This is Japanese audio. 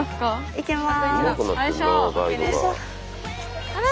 いけます。